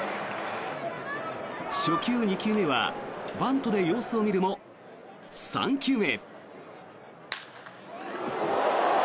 初球、２球目はバントで様子を見るも、３球目。